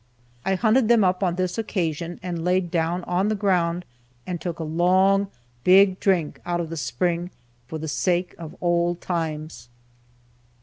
I hunted them up on this occasion and laid down on the ground and took a long, big drink out of the spring for the sake of old times.